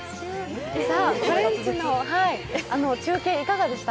ブランチの中継、いかがでした？